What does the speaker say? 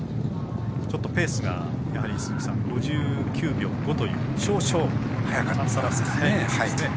ちょっとペースがやはり５９秒５という少々、早かったですね。